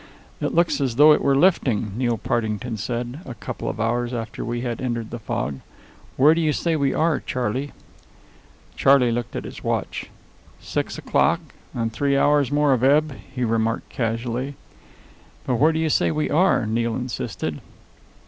"It looks as though it were lifting," Neil Partington said, a couple of hours after we had entered the fog. "Where do you say we are, Charley?" Charley looked at his watch. "Six o'clock, and three hours more of ebb," he remarked casually. "But where do you say we are!" Neil insisted.